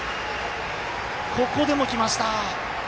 ここでもきました！